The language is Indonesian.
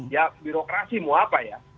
ya birokrasi mau apa ya